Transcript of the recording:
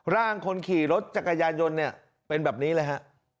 ร่างคนขี่รถจักรยานยนต์เนี่ยเป็นแบบนี้เลยฮะ